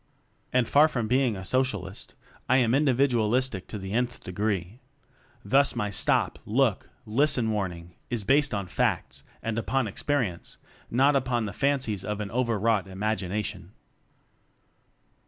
And far from being a socialist, I am individualistic to the nth degree. Thus, my Stop! Look! Listen! warning is based on facts, and upon experience, not upon the fancies of an overwrought imagina tion.